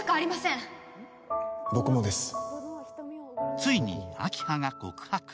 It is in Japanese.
ついに明葉が告白。